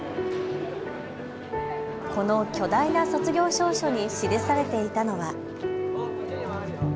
この巨大な卒業証書に記されていたのは。